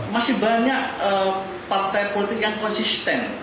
masih banyak partai politik yang konsisten